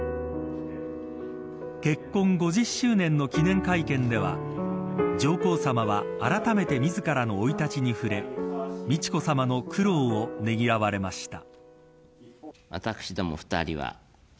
結婚５０周年の記念会見では上皇さまは、あらためて自らの生い立ちに触れ美智子さまの苦労をねぎらわれました。